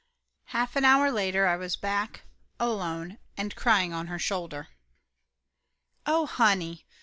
Half an hour later I was back, alone, and crying on her shoulder. "Oh, honey!"